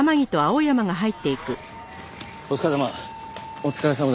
お疲れさま。